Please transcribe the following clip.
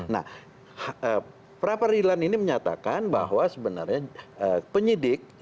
nah pra peradilan ini menyatakan bahwa sebenarnya penyidik